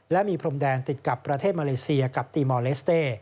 และมีพรมแดนติดกับประเทศมาเลเซียกับตีมอลเลสเต้